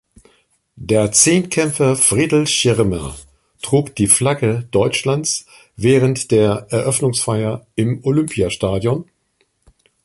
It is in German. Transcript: Der Zehnkämpfer Friedel Schirmer trug die Flagge Deutschlands während der Eröffnungsfeier im Olympiastadion.